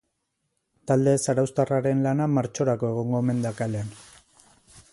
Talde zarauztarraren lana martxorako egongo omen da kalean.